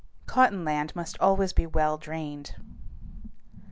Cotton land must always be well drained.